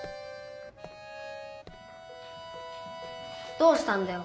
どうしたんだよ？